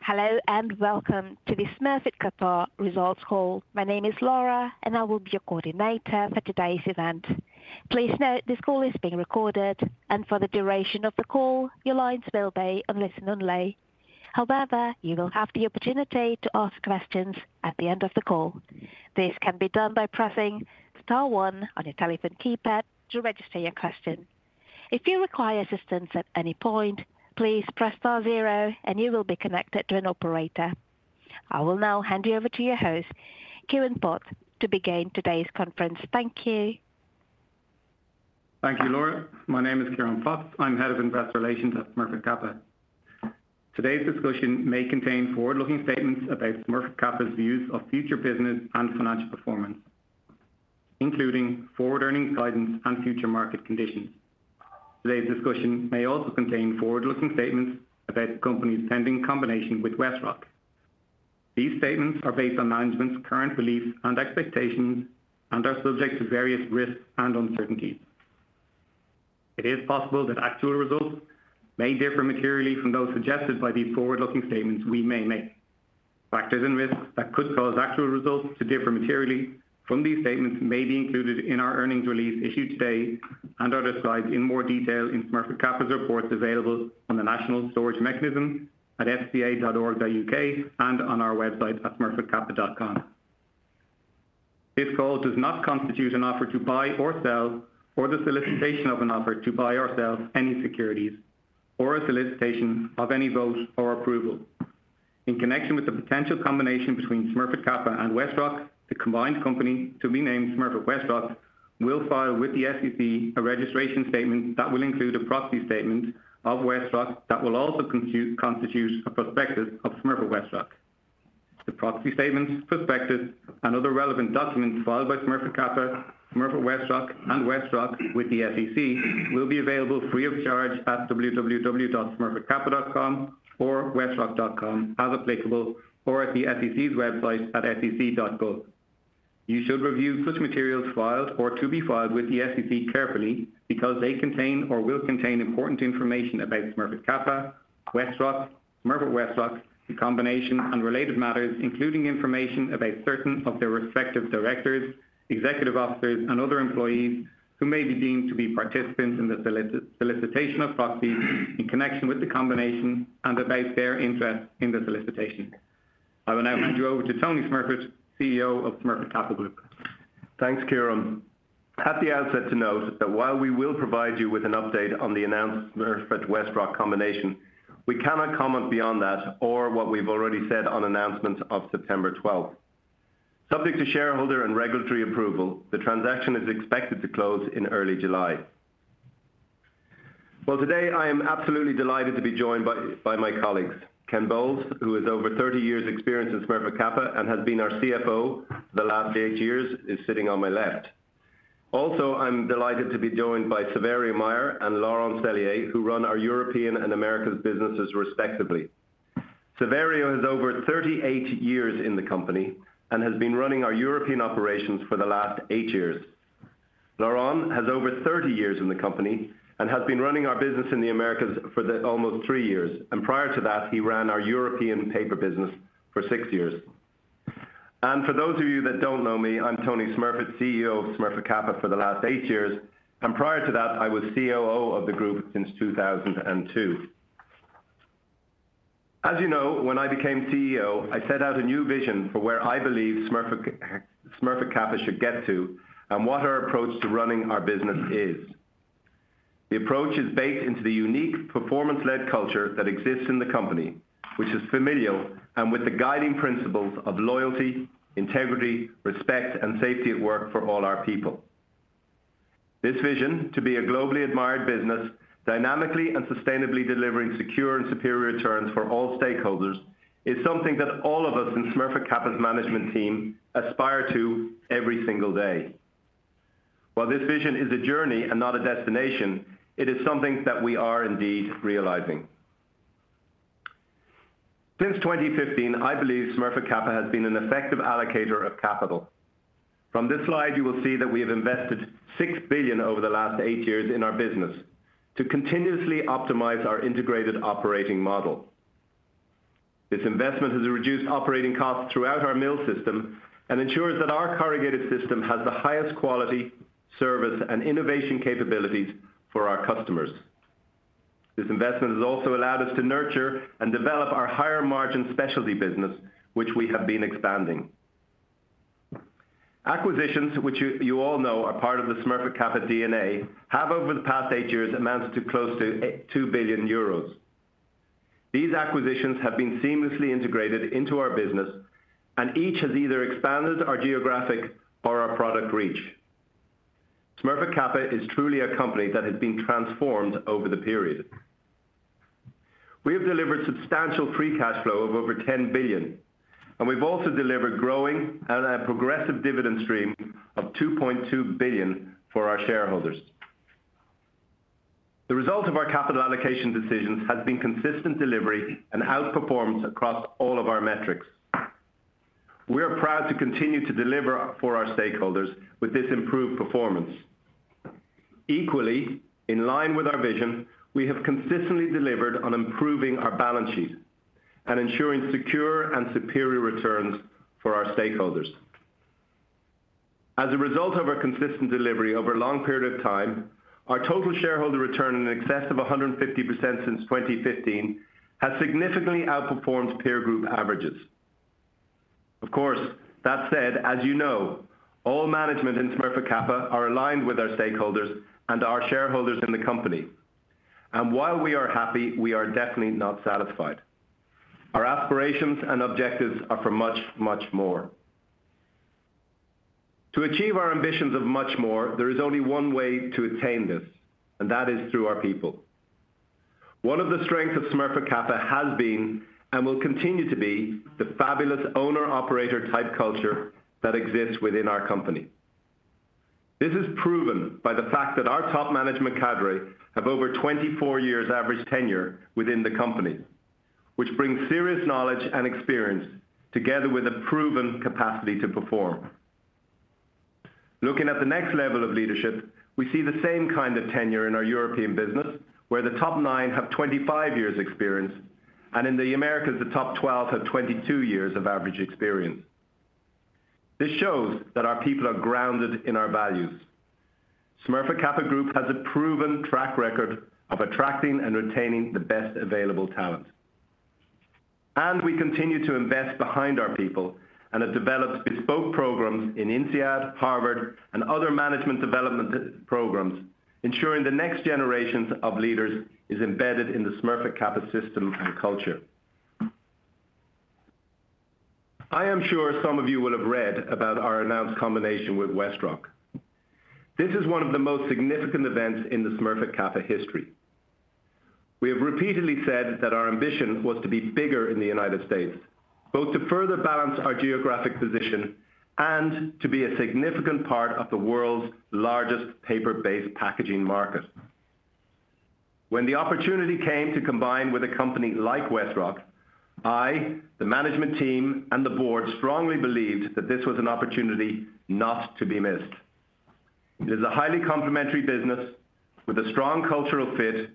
Hello, and welcome to the Smurfit Kappa Results Call. My name is Laura, and I will be your coordinator for today's event. Please note, this call is being recorded, and for the duration of the call, your lines will be on listen-only. However, you will have the opportunity to ask questions at the end of the call. This can be done by pressing star one on your telephone keypad to register your question. If you require assistance at any point, please press star zero and you will be connected to an operator. I will now hand you over to your host, Ciarán Potts, to begin today's conference. Thank you. Thank you, Laura. My name is Ciarán Potts. I'm Head of Investor Relations at Smurfit Kappa. Today's discussion may contain forward-looking statements about Smurfit Kappa's views of future business and financial performance, including forward earnings guidance and future market conditions. Today's discussion may also contain forward-looking statements about the company's pending combination with WestRock. These statements are based on management's current beliefs and expectations and are subject to various risks and uncertainties. It is possible that actual results may differ materially from those suggested by these forward-looking statements we may make. Factors and risks that could cause actual results to differ materially from these statements may be included in our earnings release issued today and are described in more detail in Smurfit Kappa's reports available on the National Storage Mechanism at fca.org.uk and on our website at smurfitkappa.com. This call does not constitute an offer to buy or sell, or the solicitation of an offer to buy or sell any securities, or a solicitation of any vote or approval. In connection with the potential combination between Smurfit Kappa and WestRock, the combined company, to be named Smurfit WestRock, will file with the SEC a registration statement that will include a proxy statement of WestRock that will also constitute a prospectus of Smurfit WestRock. The proxy statements, prospectus, and other relevant documents filed by Smurfit Kappa, Smurfit WestRock, and WestRock with the SEC will be available free of charge at www.smurfitkappa.com or westrock.com, as applicable, or at the SEC's website at sec.gov. You should review such materials filed or to be filed with the SEC carefully because they contain or will contain important information about Smurfit Kappa, WestRock, Smurfit WestRock, the combination and related matters, including information about certain of their respective directors, executive officers, and other employees who may be deemed to be participants in the solicitation of proxies in connection with the combination and about their interest in the solicitation. I will now hand you over to Tony Smurfit, CEO of Smurfit Kappa Group. Thanks, Ciarán. At the outset to note that while we will provide you with an update on the announced Smurfit WestRock combination, we cannot comment beyond that or what we've already said on announcements of September 12th. Subject to shareholder and regulatory approval, the transaction is expected to close in early July. Well, today I am absolutely delighted to be joined by my colleagues, Ken Bowles, who has over 30 years experience in Smurfit Kappa and has been our CFO the last eight years, is sitting on my left. Also, I'm delighted to be joined by Saverio Mayer and Laurent Sellier, who run our European and Americas businesses, respectively. Saverio has over 38 years in the company and has been running our European operations for the last eight years. Laurent has over 30 years in the company and has been running our business in the Americas for the almost three years, and prior to that, he ran our European paper business for six years. For those of you that don't know me, I'm Tony Smurfit, CEO of Smurfit Kappa for the last eight years, and prior to that, I was COO of the group since 2002. As you know, when I became CEO, I set out a new vision for where I believe Smurfit Kappa should get to and what our approach to running our business is. The approach is baked into the unique performance-led culture that exists in the company, which is familial and with the guiding principles of loyalty, integrity, respect, and safety at work for all our people. This vision, to be a globally admired business, dynamically and sustainably delivering secure and superior returns for all stakeholders, is something that all of us in Smurfit Kappa's management team aspire to every single day. While this vision is a journey and not a destination, it is something that we are indeed realizing. Since 2015, I believe Smurfit Kappa has been an effective allocator of capital. From this slide, you will see that we have invested 6 billion over the last eight years in our business to continuously optimize our integrated operating model. This investment has reduced operating costs throughout our mill system and ensures that our corrugated system has the highest quality, service, and innovation capabilities for our customers. This investment has also allowed us to nurture and develop our higher-margin specialty business, which we have been expanding. Acquisitions, which you all know are part of the Smurfit Kappa DNA, have over the past eight years amounted to close to 2 billion euros. These acquisitions have been seamlessly integrated into our business, and each has either expanded our geographic or our product reach. Smurfit Kappa is truly a company that has been transformed over the period. We have delivered substantial free cash flow of over 10 billion, and we've also delivered growing and a progressive dividend stream of 2.2 billion for our shareholders. The result of our capital allocation decisions has been consistent delivery and outperformance across all of our metrics. We are proud to continue to deliver for our stakeholders with this improved performance. Equally, in line with our vision, we have consistently delivered on improving our balance sheet and ensuring secure and superior returns for our stakeholders. As a result of our consistent delivery over a long period of time, our total shareholder return in excess of 150% since 2015 has significantly outperformed peer group averages. Of course, that said, as you know, all management in Smurfit Kappa are aligned with our stakeholders and our shareholders in the company. While we are happy, we are definitely not satisfied. Our aspirations and objectives are for much, much more. To achieve our ambitions of much more, there is only one way to attain this, and that is through our people. One of the strengths of Smurfit Kappa has been, and will continue to be, the fabulous owner-operator type culture that exists within our company. This is proven by the fact that our top management cadre have over 24 years average tenure within the company, which brings serious knowledge and experience together with a proven capacity to perform. Looking at the next level of leadership, we see the same kind of tenure in our European business, where the top 9 have 25 years experience, and in the Americas, the top 12 have 22 years of average experience. This shows that our people are grounded in our values. Smurfit Kappa Group has a proven track record of attracting and retaining the best available talent. We continue to invest behind our people and have developed bespoke programs in INSEAD, Harvard, and other management development programs, ensuring the next generations of leaders is embedded in the Smurfit Kappa system and culture. I am sure some of you will have read about our announced combination with WestRock. This is one of the most significant events in the Smurfit Kappa history. We have repeatedly said that our ambition was to be bigger in the United States, both to further balance our geographic position and to be a significant part of the world's largest paper-based packaging market. When the opportunity came to combine with a company like WestRock, I, the management team, and the board strongly believed that this was an opportunity not to be missed. It is a highly complementary business with a strong cultural fit,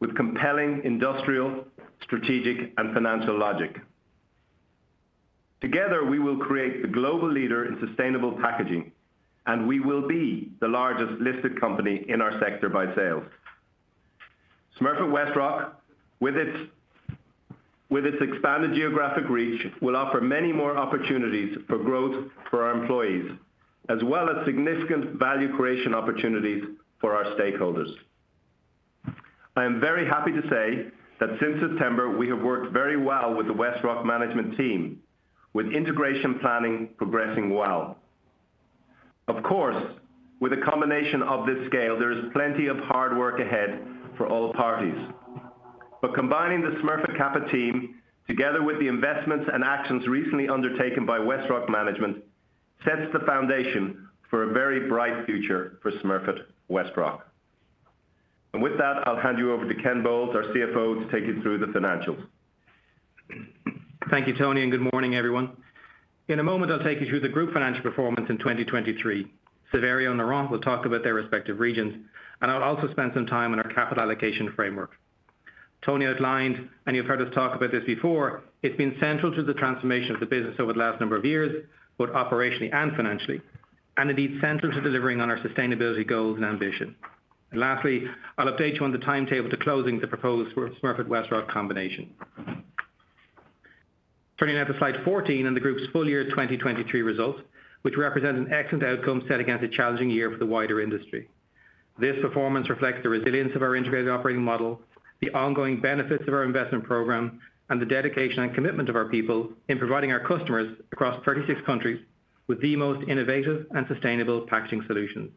with compelling industrial, strategic, and financial logic. Together, we will create the global leader in sustainable packaging, and we will be the largest listed company in our sector by sales. Smurfit WestRock, with its expanded geographic reach, will offer many more opportunities for growth for our employees, as well as significant value creation opportunities for our stakeholders. I am very happy to say that since September, we have worked very well with the WestRock management team, with integration planning progressing well. Of course, with a combination of this scale, there is plenty of hard work ahead for all parties. But combining the Smurfit Kappa team, together with the investments and actions recently undertaken by WestRock management, sets the foundation for a very bright future for Smurfit WestRock. With that, I'll hand you over to Ken Bowles, our CFO, to take you through the financials. Thank you, Tony, and good morning, everyone. In a moment, I'll take you through the group financial performance in 2023. Saverio and Laurent will talk about their respective regions, and I'll also spend some time on our capital allocation framework. Tony outlined, and you've heard us talk about this before, it's been central to the transformation of the business over the last number of years, both operationally and financially, and indeed, central to delivering on our sustainability goals and ambition. And lastly, I'll update you on the timetable to closing the proposed Smurfit WestRock combination. Turning now to slide 14 and the group's full year 2023 results, which represent an excellent outcome set against a challenging year for the wider industry. This performance reflects the resilience of our integrated operating model, the ongoing benefits of our investment program, and the dedication and commitment of our people in providing our customers across 36 countries with the most innovative and sustainable packaging solutions.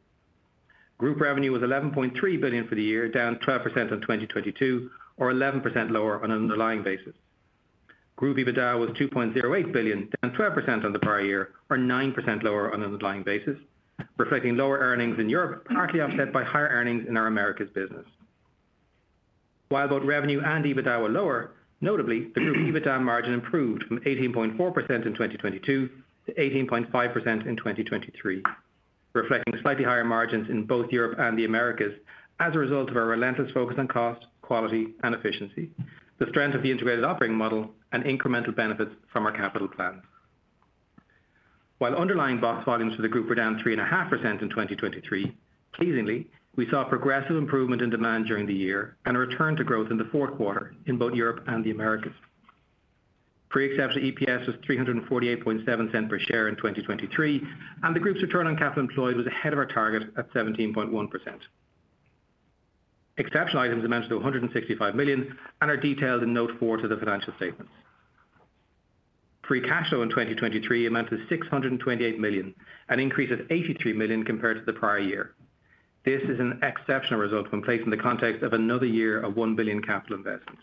Group revenue was 11.3 billion for the year, down 12% on 2022, or 11% lower on an underlying basis. Group EBITDA was 2.08 billion, down 12% on the prior year or 9% lower on an underlying basis, reflecting lower earnings in Europe, partly offset by higher earnings in our Americas business. While both revenue and EBITDA were lower, notably, the group EBITDA margin improved from 18.4% in 2022 to 18.5% in 2023, reflecting slightly higher margins in both Europe and the Americas as a result of our relentless focus on cost, quality, and efficiency, the strength of the integrated operating model and incremental benefits from our capital plans. While underlying box volumes for the group were down 3.5% in 2023, pleasingly, we saw progressive improvement in demand during the year and a return to growth in the fourth quarter in both Europe and the Americas. Pre-exceptional EPS was $3.487 per share in 2023, and the group's return on capital employed was ahead of our target at 17.1%. Exceptional items amounted to 165 million and are detailed in note 4 to the financial statements. Free cash flow in 2023 amounted to 628 million, an increase of 83 million compared to the prior year. This is an exceptional result when placed in the context of another year of 1 billion capital investments.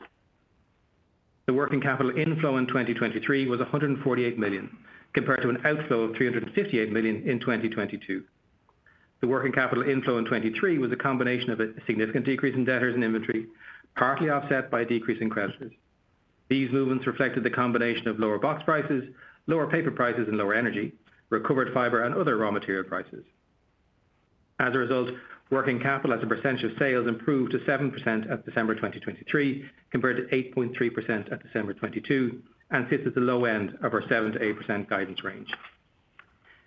The working capital inflow in 2023 was 148 million, compared to an outflow of 358 million in 2022. The working capital inflow in 2023 was a combination of a significant decrease in debtors and inventory, partly offset by a decrease in creditors. These movements reflected the combination of lower box prices, lower paper prices, and lower energy, recovered fiber, and other raw material prices. As a result, working capital as a percentage of sales improved to 7% at December 2023, compared to 8.3% at December 2022, and sits at the low end of our 7%-8% guidance range.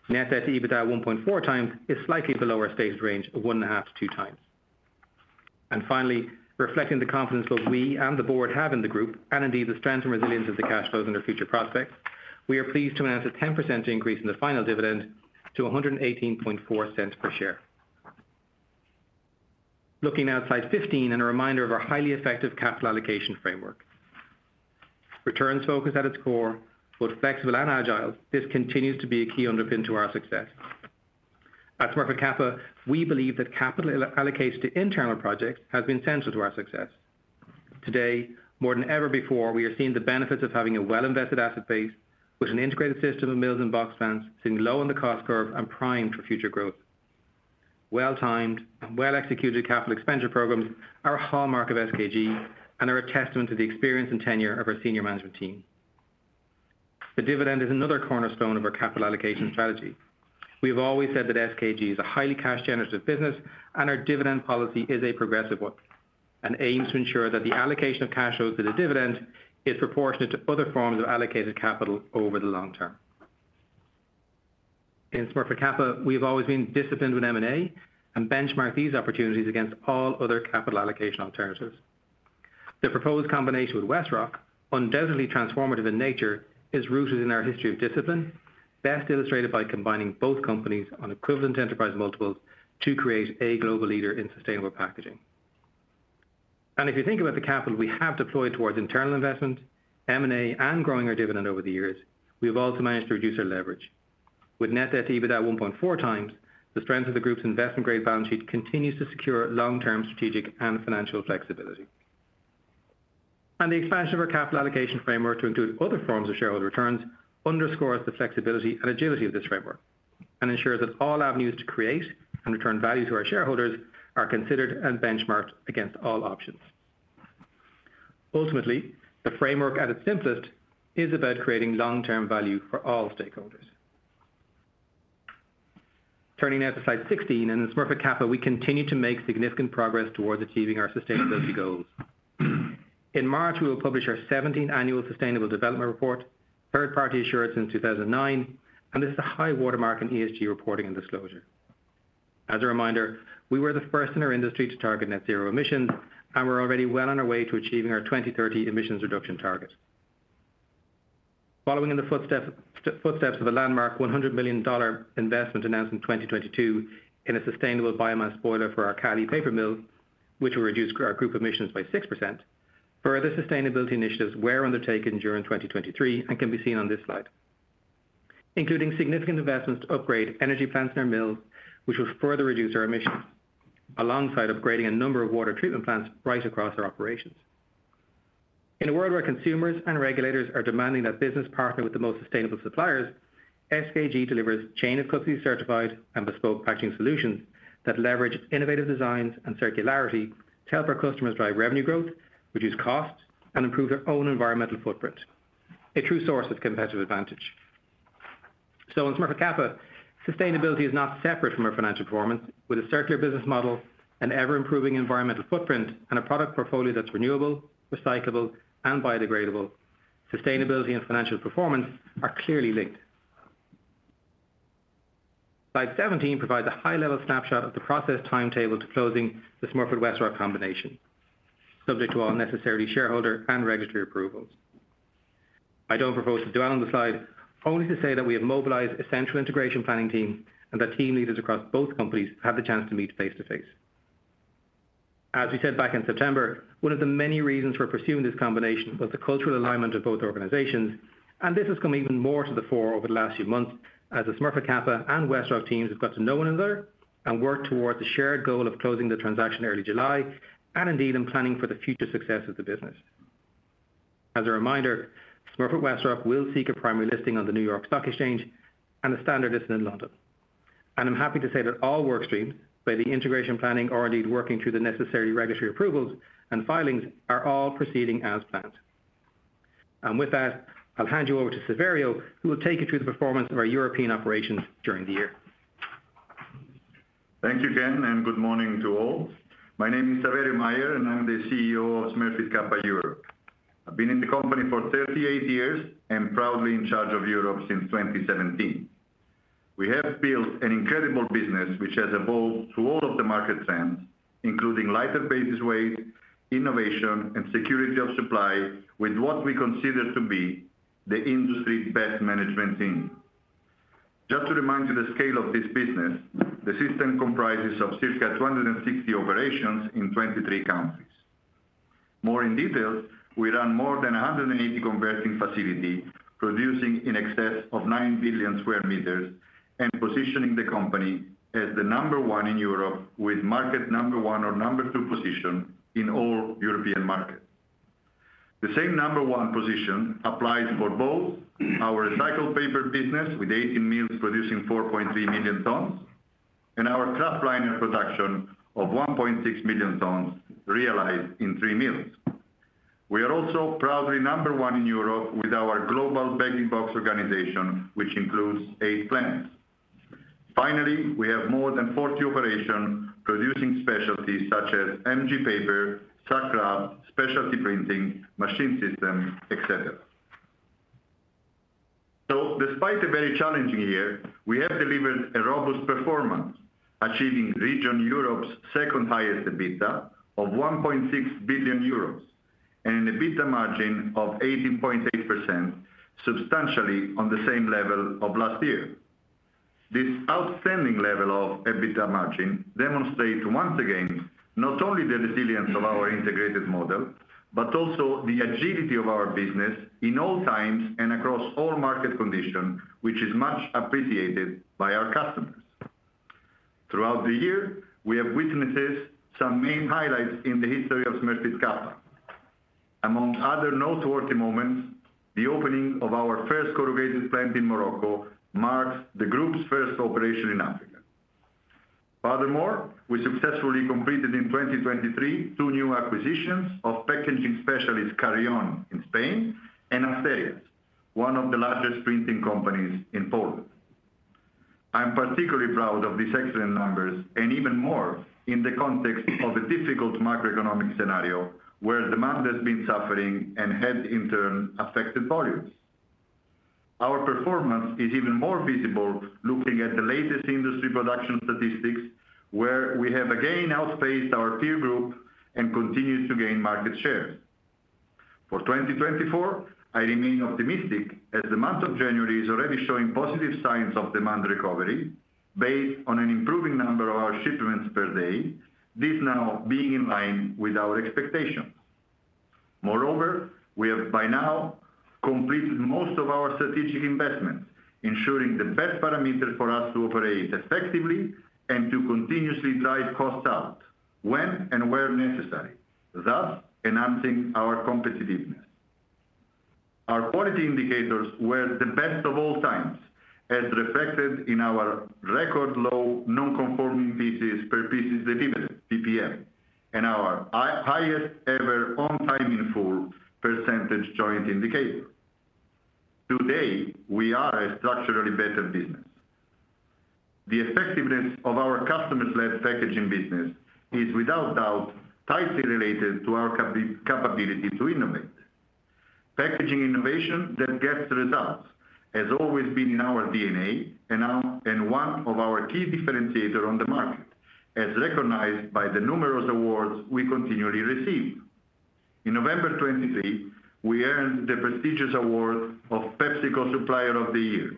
Net debt to EBITDA at 1.4 times is slightly below our stated range of 1.5-2 times. And finally, reflecting the confidence both we and the board have in the group, and indeed, the strength and resilience of the cash flows and their future prospects, we are pleased to announce a 10% increase in the final dividend to 1.184 per share. Looking now at slide 15, and a reminder of our highly effective capital allocation framework. Returns focus at its core, both flexible and agile, this continues to be a key underpin to our success. At Smurfit Kappa, we believe that capital allocated to internal projects has been central to our success. Today, more than ever before, we are seeing the benefits of having a well-invested asset base with an integrated system of mills and box plants, sitting low on the cost curve and primed for future growth. Well-timed and well-executed capital expenditure programs are a hallmark of SKG and are a testament to the experience and tenure of our senior management team. The dividend is another cornerstone of our capital allocation strategy. We have always said that SKG is a highly cash-generative business, and our dividend policy is a progressive one, and aims to ensure that the allocation of cash flows to the dividend is proportionate to other forms of allocated capital over the long term. In Smurfit Kappa, we have always been disciplined with M&A, and benchmark these opportunities against all other capital allocation alternatives. The proposed combination with WestRock, undoubtedly transformative in nature, is rooted in our history of discipline, best illustrated by combining both companies on equivalent enterprise multiples to create a global leader in sustainable packaging. If you think about the capital we have deployed towards internal investment, M&A, and growing our dividend over the years, we have also managed to reduce our leverage. With net debt to EBITDA at 1.4 times, the strength of the group's investment-grade balance sheet continues to secure long-term strategic and financial flexibility. The expansion of our capital allocation framework to include other forms of shareholder returns underscores the flexibility and agility of this framework, and ensures that all avenues to create and return value to our shareholders are considered and benchmarked against all options. Ultimately, the framework, at its simplest, is about creating long-term value for all stakeholders. Turning now to slide 16, in Smurfit Kappa, we continue to make significant progress towards achieving our sustainability goals. In March, we will publish our seventeenth Annual Sustainable Development Report, third-party assured since 2009, and this is a high watermark in ESG reporting and disclosure. As a reminder, we were the first in our industry to target net zero emissions, and we're already well on our way to achieving our 2030 emissions reduction target. Following in the footsteps of a landmark $100 million investment announced in 2022 in a sustainable biomass boiler for our Cali paper mill, which will reduce our group emissions by 6%, further sustainability initiatives were undertaken during 2023 and can be seen on this slide, including significant investments to upgrade energy plants in our mills, which will further reduce our emissions, alongside upgrading a number of water treatment plants right across our operations. In a world where consumers and regulators are demanding that business partner with the most sustainable suppliers, SKG delivers chain of custody certified and bespoke packaging solutions that leverage innovative designs and circularity to help our customers drive revenue growth, reduce costs, and improve their own environmental footprint, a true source of competitive advantage. So in Smurfit Kappa, sustainability is not separate from our financial performance. With a circular business model, an ever-improving environmental footprint, and a product portfolio that's renewable, recyclable, and biodegradable, sustainability and financial performance are clearly linked. Slide 17 provides a high-level snapshot of the process timetable to closing the Smurfit WestRock combination, subject to all necessary shareholder and regulatory approvals. I don't propose to dwell on the slide, only to say that we have mobilized essential integration planning team, and that team leaders across both companies have the chance to meet face-to-face. As we said back in September, one of the many reasons for pursuing this combination was the cultural alignment of both organizations, and this has come even more to the fore over the last few months as the Smurfit Kappa and WestRock teams have got to know one another and work towards a shared goal of closing the transaction early July, and indeed, in planning for the future success of the business. As a reminder, Smurfit WestRock will seek a primary listing on the New York Stock Exchange and a standard listing in London. I'm happy to say that all work streams, whether integration planning or indeed working through the necessary regulatory approvals and filings, are all proceeding as planned. With that, I'll hand you over to Saverio, who will take you through the performance of our European operations during the year. Thank you, Ken, and good morning to all. My name is Saverio Mayer, and I'm the CEO of Smurfit Kappa Europe. I've been in the company for 38 years and proudly in charge of Europe since 2017. We have built an incredible business, which has evolved through all of the market trends, including lighter basis weight, innovation, and security of supply, with what we consider to be the industry's best management team. Just to remind you the scale of this business, the system comprises of circa 260 operations in 23 countries. More in detail, we run more than 180 converting facilities, producing in excess of 9 billion square meters, and positioning the company as the number one in Europe, with market number one or number two position in all European markets. The same number one position applies for both our recycled paper business, with 18 mills producing 4.3 million tons, and our Kraftliner production of 1.6 million tons realized in three mills. We are also proudly number one in Europe with our global Bag-in-Box organization, which includes eight plants. Finally, we have more than 40 operations producing specialties such as MG paper, sack kraft, specialty printing, Machine System, et cetera. So despite a very challenging year, we have delivered a robust performance, achieving region Europe's second highest EBITDA of 1.6 billion euros, and an EBITDA margin of 18.8%, substantially on the same level of last year. This outstanding level of EBITDA margin demonstrates once again, not only the resilience of our integrated model, but also the agility of our business in all times and across all market conditions, which is much appreciated by our customers. Throughout the year, we have witnessed some main highlights in the history of Smurfit Kappa. Among other noteworthy moments, the opening of our first corrugated plant in Morocco marks the group's first operation in Africa. Furthermore, we successfully completed in 2023, two new acquisitions of packaging specialist Carrion in Spain and Australia, one of the largest printing companies in Poland. I'm particularly proud of these excellent numbers, and even more in the context of a difficult macroeconomic scenario, where demand has been suffering and has in turn affected volumes. Our performance is even more visible looking at the latest industry production statistics, where we have again outpaced our peer group and continued to gain market share. For 2024, I remain optimistic, as the month of January is already showing positive signs of demand recovery based on an improving number of our shipments per day, this now being in line with our expectations. Moreover, we have by now completed most of our strategic investments, ensuring the best parameters for us to operate effectively and to continuously drive costs out when and where necessary, thus enhancing our competitiveness. Our quality indicators were the best of all times, as reflected in our record low non-conforming pieces per million pieces delivered, PPM, and our highest ever on time in full percentage joint indicator. Today, we are a structurally better business. The effectiveness of our customer-led packaging business is without doubt, tightly related to our capability to innovate. Packaging innovation that gets results has always been in our DNA, and now and one of our key differentiator on the market, as recognized by the numerous awards we continually receive. In November 2023, we earned the prestigious award of PepsiCo Supplier of the Year,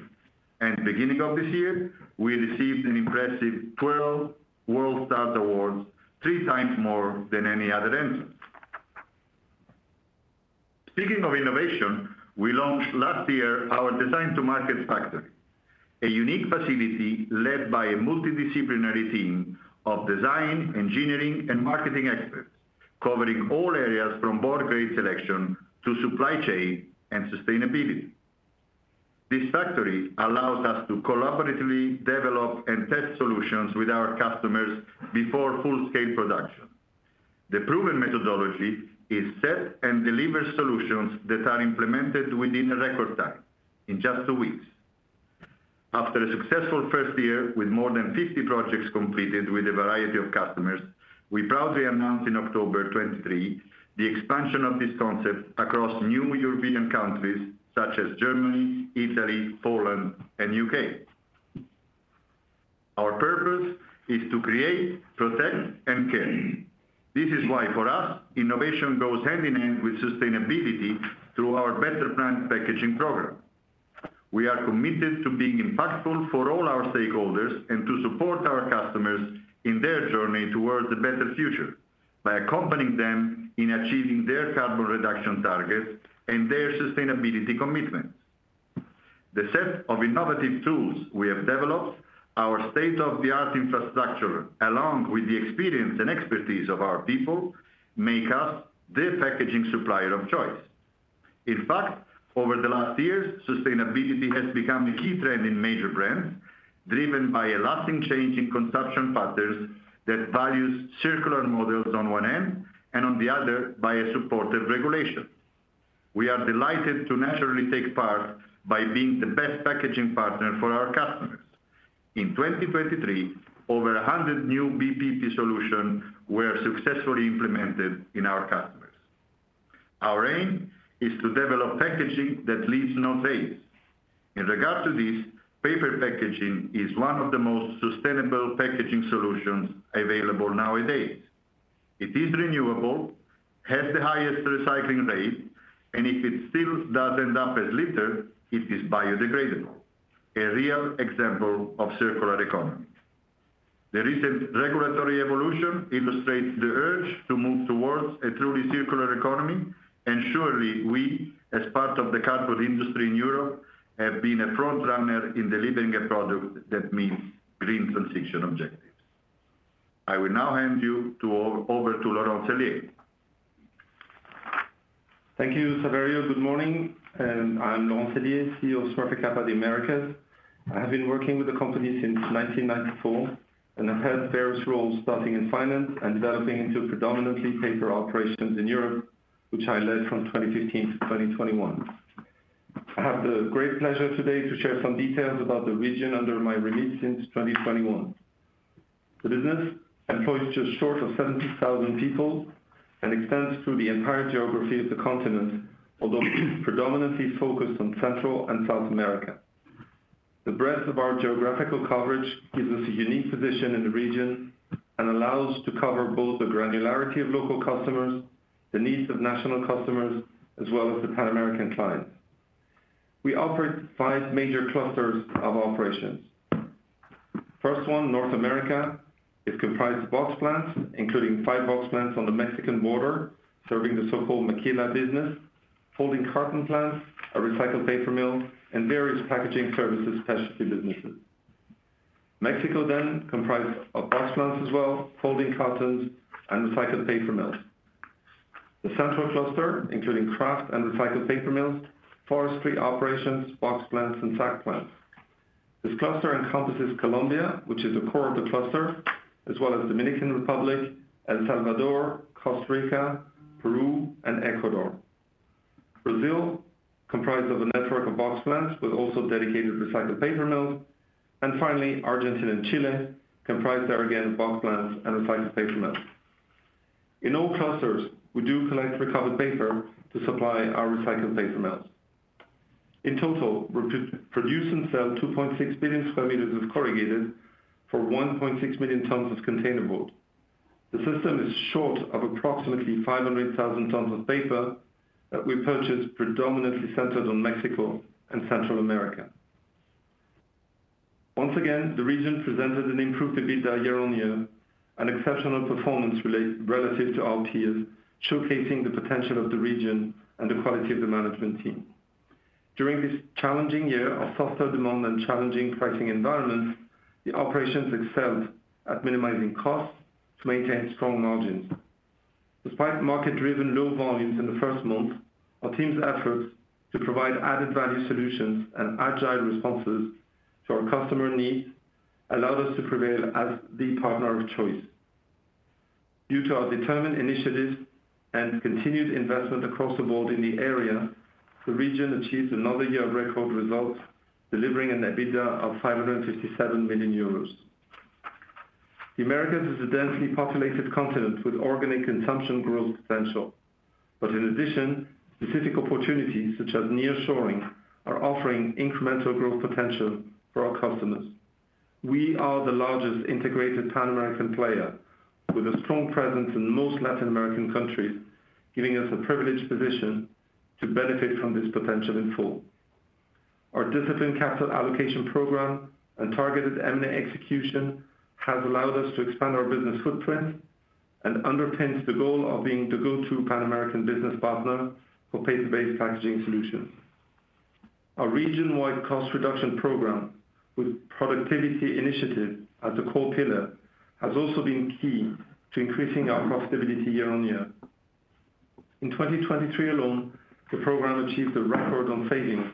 and beginning of this year, we received an impressive 12 WorldStar Awards, three times more than any other entrant. Speaking of innovation, we launched last year our Design2Market factory, a unique facility led by a multidisciplinary team of design, engineering, and marketing experts, covering all areas from board grade selection to supply chain and sustainability. This factory allows us to collaboratively develop and test solutions with our customers before full-scale production. The proven methodology is set and deliver solutions that are implemented within a record time, in just 2 weeks. After a successful first year with more than 50 projects completed with a variety of customers, we proudly announced in October 2023, the expansion of this concept across new European countries such as Germany, Italy, Poland and UK. Our purpose is to create, protect, and care. This is why, for us, innovation goes hand in hand with sustainability through our Better Planet Packaging program. We are committed to being impactful for all our stakeholders and to support our customers in their journey towards a better future by accompanying them in achieving their carbon reduction targets and their sustainability commitments. The set of innovative tools we have developed, our state-of-the-art infrastructure, along with the experience and expertise of our people, make us the packaging supplier of choice. In fact, over the last years, sustainability has become a key trend in major brands, driven by a lasting change in consumption patterns that values circular models on one end, and on the other, by a supportive regulation. We are delighted to naturally take part by being the best packaging partner for our customers. In 2023, over 100 new BPP solutions were successfully implemented in our customers. Our aim is to develop packaging that leaves no waste. In regards to this, paper packaging is one of the most sustainable packaging solutions available nowadays. It is renewable, has the highest recycling rate, and if it still does end up as litter, it is biodegradable. A real example of circular economy. The recent regulatory evolution illustrates the urge to move toward a truly circular economy, and surely we, as part of the cardboard industry in Europe, have been a front runner in delivering a product that meets green transition objectives. ... I will now hand you over to Laurent Sellier. Thank you, Saverio. Good morning, and I'm Laurent Sellier, CEO of Smurfit Kappa, The Americas. I have been working with the company since 1994, and I've had various roles, starting in finance and developing into predominantly paper operations in Europe, which I led from 2015 to 2021. I have the great pleasure today to share some details about the region under my release since 2021. The business employs just short of 70,000 people and extends through the entire geography of the continent, although predominantly focused on Central and South America. The breadth of our geographical coverage gives us a unique position in the region and allows to cover both the granularity of local customers, the needs of national customers, as well as the Pan-American clients. We offer five major clusters of operations. First one, North America, is comprised box plants, including 5 box plants on the Mexican border, serving the so-called Maquila business, folding carton plants, a recycled paper mill, and various packaging services, specialty businesses. Mexico then comprised of box plants as well, folding cartons and recycled paper mills. The central cluster, including kraft and recycled paper mills, forestry operations, box plants, and sack plants. This cluster encompasses Colombia, which is the core of the cluster, as well as Dominican Republic, El Salvador, Costa Rica, Peru, and Ecuador. Brazil, comprised of a network of box plants, but also dedicated recycled paper mills, and finally, Argentina and Chile, comprised there again, box plants and recycled paper mills. In all clusters, we do collect recovered paper to supply our recycled paper mills. In total, we produce and sell 2.6 billion square meters of corrugated for 1.6 million tons of container board. The system is short of approximately 500,000 tons of paper that we purchased, predominantly centered on Mexico and Central America. Once again, the region presented an improved EBITDA year-on-year, an exceptional performance relative to our peers, showcasing the potential of the region and the quality of the management team. During this challenging year of softer demand and challenging pricing environments, the operations excelled at minimizing costs to maintain strong margins. Despite market-driven low volumes in the first month, our team's efforts to provide added value solutions and agile responses to our customer needs allowed us to prevail as the partner of choice. Due to our determined initiatives and continued investment across the board in the area, the region achieved another year of record results, delivering an EBITDA of 557 million euros. The Americas is a densely populated continent with organic consumption growth potential, but in addition, specific opportunities such as nearshoring are offering incremental growth potential for our customers. We are the largest integrated Pan-American player, with a strong presence in most Latin American countries, giving us a privileged position to benefit from this potential in full. Our disciplined capital allocation program and targeted M&A execution has allowed us to expand our business footprint and underpins the goal of being the go-to Pan-American business partner for paper-based packaging solutions. Our region-wide cost reduction program, with productivity initiative as the core pillar, has also been key to increasing our profitability year-on-year. In 2023 alone, the program achieved a record on saving,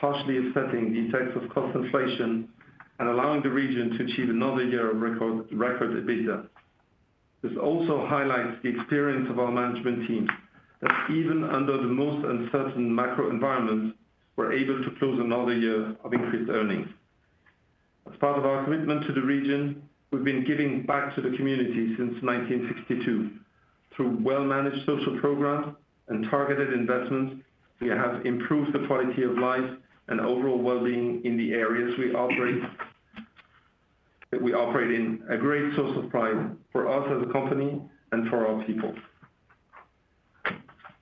partially offsetting the effects of cost inflation and allowing the region to achieve another year of record, record EBITDA. This also highlights the experience of our management teams, that even under the most uncertain macro environment, we're able to close another year of increased earnings. As part of our commitment to the region, we've been giving back to the community since 1962. Through well-managed social programs and targeted investments, we have improved the quality of life and overall well-being in the areas we operate, that we operate in, a great source of pride for us as a company and for our people.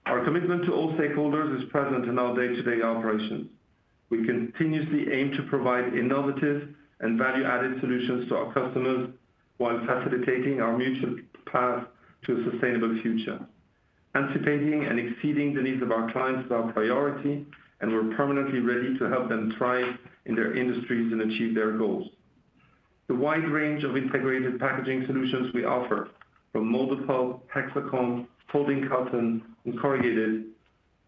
Our commitment to all stakeholders is present in our day-to-day operations. We continuously aim to provide innovative and value-added solutions to our customers while facilitating our mutual path to a sustainable future. Anticipating and exceeding the needs of our clients is our priority, and we're permanently ready to help them thrive in their industries and achieve their goals. The wide range of integrated packaging solutions we offer, from Molded pulp, Hexacomb, Folding carton, and corrugated,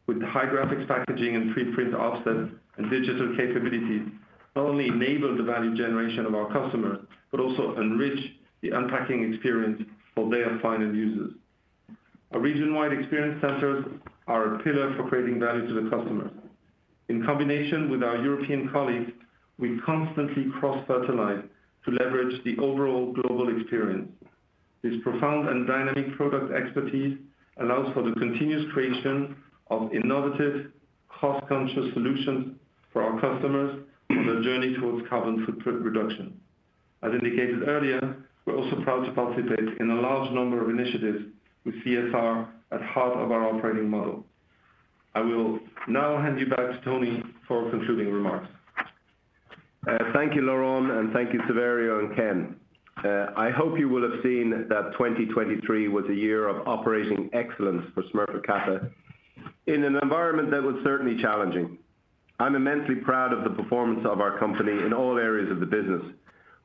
with high graphics packaging and pre-print offset and digital capabilities, not only enable the value generation of our customers, but also enrich the unpacking experience for their final users. Our region-wide experience centers are a pillar for creating value to the customer. In combination with our European colleagues, we constantly cross-fertilize to leverage the overall global experience. This profound and dynamic product expertise allows for the continuous creation of innovative, cost-conscious solutions for our customers on their journey towards carbon footprint reduction. As indicated earlier, we're also proud to participate in a large number of initiatives with CSR at the heart of our operating model. I will now hand you back to Tony for concluding remarks. Thank you, Laurent, and thank you, Saverio and Ken. I hope you will have seen that 2023 was a year of operating excellence for Smurfit Kappa in an environment that was certainly challenging. I'm immensely proud of the performance of our company in all areas of the business,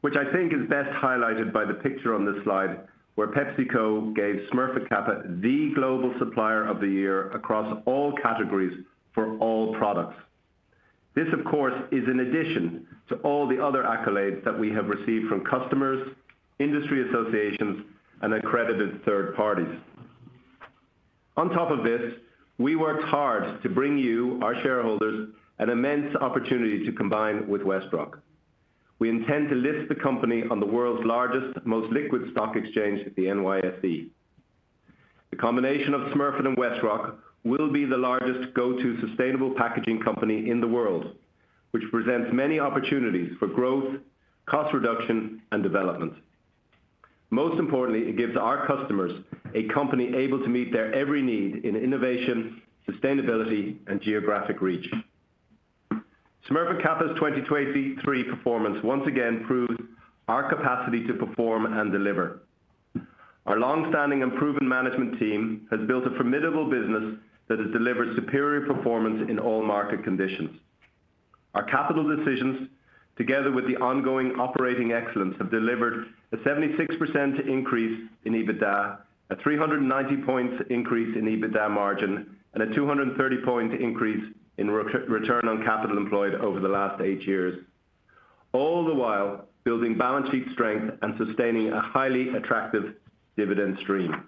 which I think is best highlighted by the picture on this slide, where PepsiCo gave Smurfit Kappa the Global Supplier of the Year across all categories for all products. This, of course, is in addition to all the other accolades that we have received from customers, industry associations, and accredited third parties. On top of this, we worked hard to bring you, our shareholders, an immense opportunity to combine with WestRock. We intend to list the company on the world's largest, most liquid stock exchange, the NYSE. The combination of Smurfit and WestRock will be the largest go-to sustainable packaging company in the world, which presents many opportunities for growth, cost reduction, and development. Most importantly, it gives our customers a company able to meet their every need in innovation, sustainability, and geographic reach. Smurfit Kappa's 2023 performance once again proves our capacity to perform and deliver. Our long-standing and proven management team has built a formidable business that has delivered superior performance in all market conditions. Our capital decisions, together with the ongoing operating excellence, have delivered a 76% increase in EBITDA, a 390-point increase in EBITDA margin, and a 230-point increase in return on capital employed over the last eight years, all the while building balance sheet strength and sustaining a highly attractive dividend stream.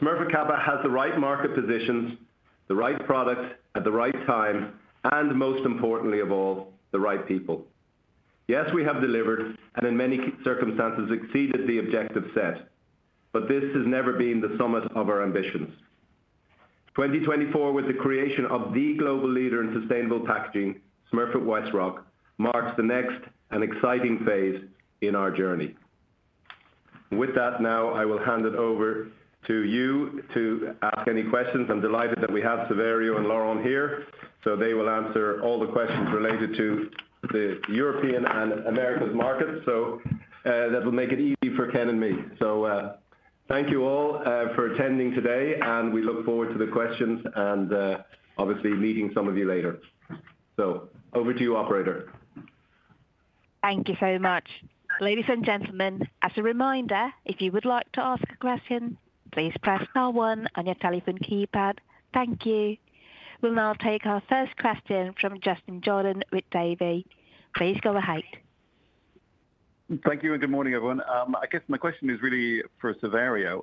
Smurfit Kappa has the right market positions, the right product at the right time, and most importantly of all, the right people. Yes, we have delivered, and in many circumstances, exceeded the objective set, but this has never been the summit of our ambitions. 2024, with the creation of the global leader in sustainable packaging, Smurfit WestRock, marks the next and exciting phase in our journey. With that, now I will hand it over to you to ask any questions. I'm delighted that we have Saverio and Laurent here, so they will answer all the questions related to the European and Americas markets, so, that will make it easy for Ken and me. Thank you all for attending today, and we look forward to the questions and, obviously meeting some of you later. Over to you, operator. Thank you so much. Ladies and gentlemen, as a reminder, if you would like to ask a question, please press star one on your telephone keypad. Thank you. We'll now take our first question from Justin Jordan with Davy. Please go ahead. Thank you, and good morning, everyone. I guess my question is really for Saverio.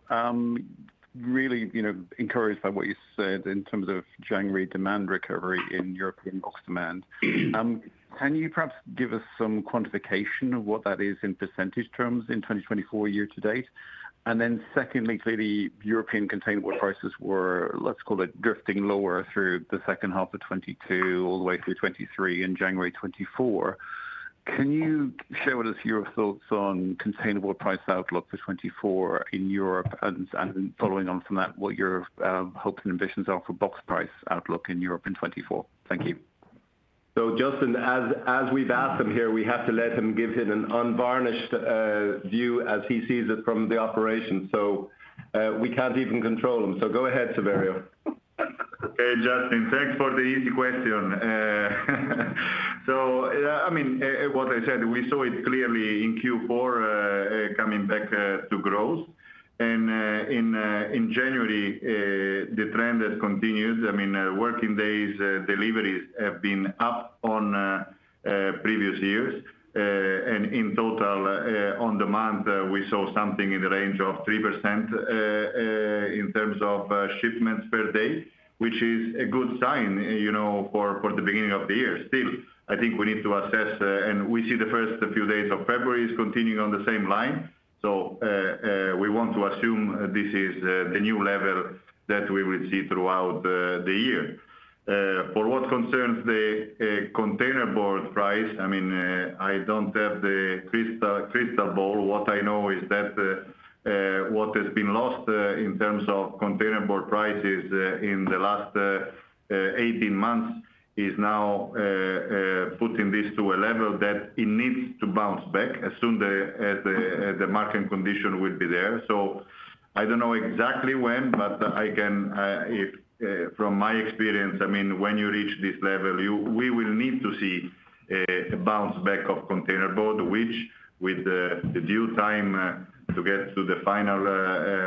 Really, you know, encouraged by what you said in terms of January demand recovery in European box demand. Can you perhaps give us some quantification of what that is in percentage terms in 2024 year to date? And then secondly, clearly, European container board prices were, let's call it, drifting lower through the second half of 2022 all the way through 2023 and January 2024. Can you share with us your thoughts on container board price outlook for 2024 in Europe? And following on from that, what your hopes and ambitions are for box price outlook in Europe in 2024? Thank you. So, Justin, as we've asked him here, we have to let him give him an unvarnished view as he sees it from the operation, so we can't even control him, so go ahead, Saverio. Okay, Justin, thanks for the easy question. So, I mean, what I said, we saw it clearly in Q4, coming back to growth. And in January, the trend has continued. I mean, working days, deliveries have been up on previous years. And in total, on demand, we saw something in the range of 3% in terms of shipments per day, which is a good sign, you know, for the beginning of the year. Still, I think we need to assess, and we see the first few days of February is continuing on the same line. So, we want to assume this is the new level that we will see throughout the year. For what concerns the container board price, I mean, I don't have the crystal ball. What I know is that what has been lost in terms of container board prices in the last 18 months is now putting this to a level that it needs to bounce back as soon as the market condition will be there. So I don't know exactly when, but from my experience, I mean, when you reach this level, we will need to see a bounce back of container board, which with the due time to get to the final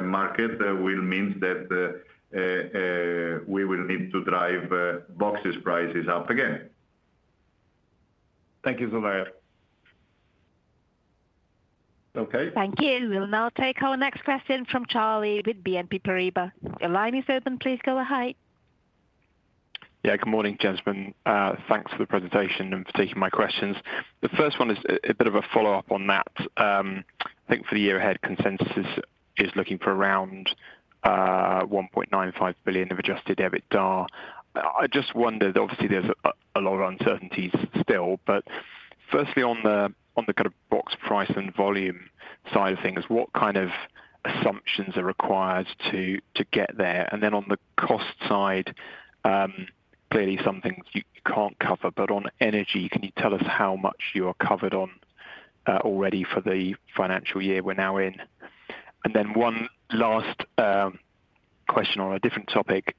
market will mean that we will need to drive box prices up again. Thank you, Saverio. Okay. Thank you. We'll now take our next question from Charlie with BNP Paribas. Your line is open. Please go ahead. Yeah, good morning, gentlemen. Thanks for the presentation and for taking my questions. The first one is a bit of a follow-up on that. I think for the year ahead, consensus is looking for around 1.95 billion of adjusted EBITDA. I just wondered, obviously, there's a lot of uncertainties still, but firstly, on the kind of box price and volume side of things, what kind of assumptions are required to get there? And then on the cost side, clearly some things you can't cover, but on energy, can you tell us how much you are covered on already for the financial year we're now in? And then one last question on a different topic.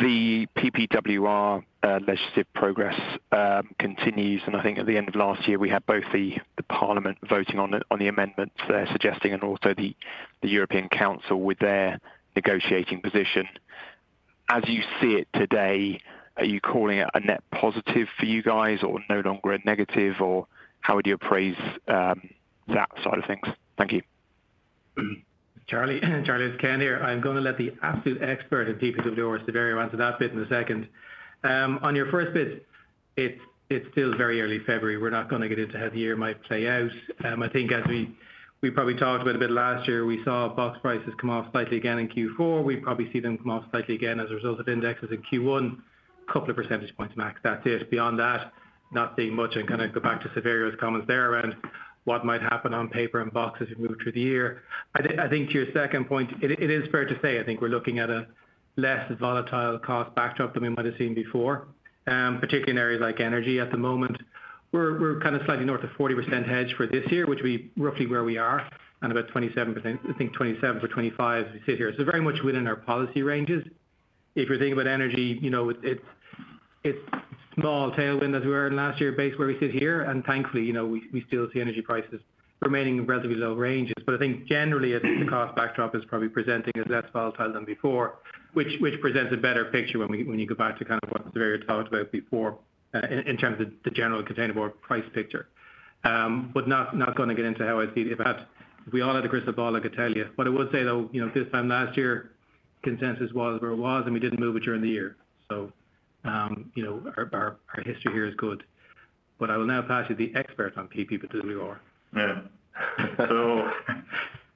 The PPWR legislative progress continues, and I think at the end of last year, we had both the Parliament voting on the amendments they're suggesting, and also the European Council with their negotiating position. As you see it today, are you calling it a net positive for you guys, or no longer a negative, or how would you appraise that side of things? Thank you. Charlie, Charlie, it's Ken here. I'm going to let the absolute expert in PPWR, Saverio, answer that bit in a second. On your first bit, it's still very early February. We're not going to get into how the year might play out. I think as we probably talked about a bit last year, we saw box prices come off slightly again in Q4. We probably see them come off slightly again as a result of indexes in Q1, couple of percentage points max. That's it. Beyond that, not seeing much, and kind of go back to Saverio's comments there around what might happen on paper and boxes as we move through the year. I think to your second point, it is fair to say, I think we're looking at a less volatile cost backdrop than we might have seen before, particularly in areas like energy at the moment. We're kind of slightly north of 40% hedge for this year, which we're roughly where we are, and about 27%- I think 27 or 25 we sit here. So very much within our policy ranges. If you're thinking about energy, you know, it's small tailwind as we were in last year, based where we sit here, and thankfully, you know, we still see energy prices remaining in relatively low ranges. But I think generally, the cost backdrop is probably presenting as less volatile than before, which presents a better picture when you go back to kind of what Saverio talked about before, in terms of the general container board price picture. But not going to get into how I'd see it. Perhaps, if we all had a crystal ball, I could tell you. But I would say, though, you know, this time last year, consensus was where it was, and we didn't move it during the year. So, you know, our history here is good. But I will now pass you the expert on PPWR. Yeah. So,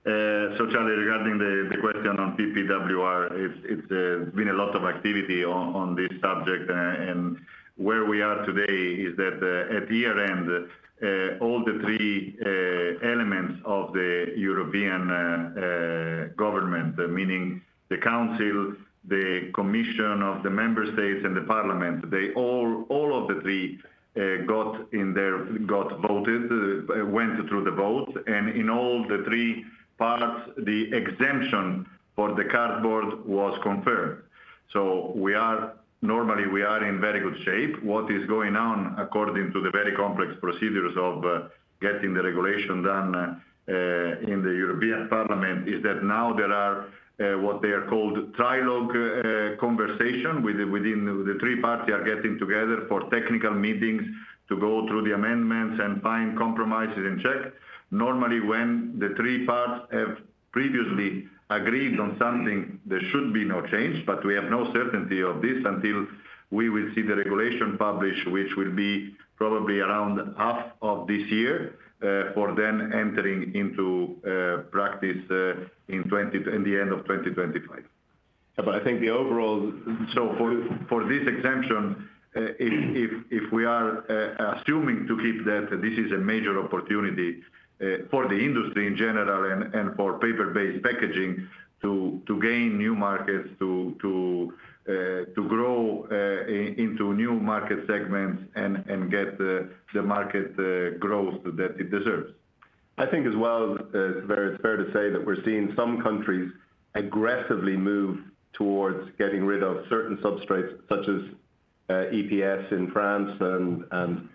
so Charlie, regarding the question on PPWR, it's been a lot of activity on this subject, and where we are today is that, at the year-end, all the three elements of the European government, meaning the council, the commission of the member states and the parliament, they all, all of the three, got in there, got voted, went through the vote, and in all the three parts, the exemption for the cardboard was confirmed. So we are... Normally, we are in very good shape. What is going on, according to the very complex procedures of getting the regulation done in the European Parliament, is that now there are what they are called Trilogue conversations within the three parties getting together for technical meetings to go through the amendments and find compromises and check. Normally, when the three parts have previously agreed on something, there should be no change, but we have no certainty of this until we will see the regulation published, which will be probably around half of this year for then entering into practice in the end of 2025. But I think the overall, so for this exemption, if we are assuming to keep that, this is a major opportunity for the industry in general and for paper-based packaging to grow into new market segments and get the market growth that it deserves. I think as well, it's very fair to say that we're seeing some countries aggressively move towards getting rid of certain substrates, such as EPS in France and